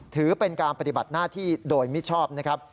ถือเป็นการปฏิบัติหน้าที่โดยมิชอบนะครับ